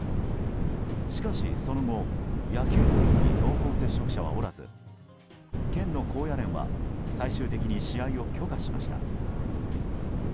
しかし、その後野球部員に濃厚接触者はおらず県の高野連は最終的に試合を許可しました。